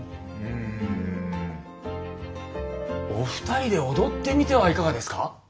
うんお二人で踊ってみてはいかがですか？